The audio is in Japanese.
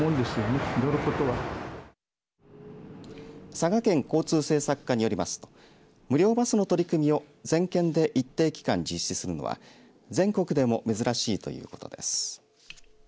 佐賀県交通政策課によりますと無料バスの取り組みを全県で一定期間実施するのは全国でも珍しいということです。